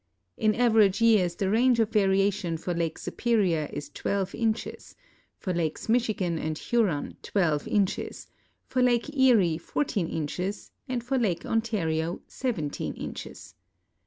In average years the range of variation for Lake Su{)erior is 12 inches ; for lakes Michigan and Huron, 12 inches; for Lake Erie, 14 inches, and for Lake Ontario, 17 inches.